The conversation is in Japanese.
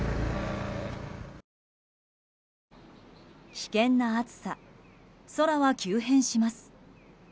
危険な暑さ、空は急変します。